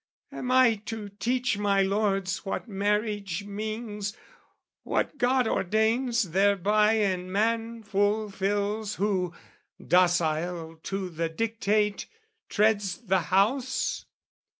Am I to teach my lords what marriage means, What God ordains thereby and man fulfils Who, docile to the dictate, treads the house?